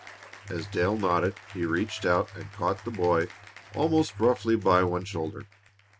As Dale nodded he reached out and caught the boy almost roughly by one shoulder.